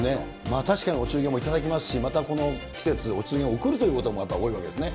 確かにお中元も頂きますし、またこの季節、お中元贈るということもやっぱり多いわけですね。